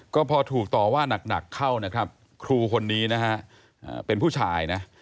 ก็พอถูกต่อว่านักเข้านะครับครูคนนี้นะฮะเป็นผู้ชายนะ